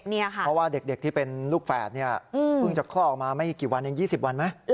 เพราะว่าเด็กที่เป็นลูกแฝดเนี่ยเพิ่งจะคลอดออกมาไม่กี่วันเอง๒๐วันไหม